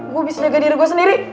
gue bisa jaga diri gue sendiri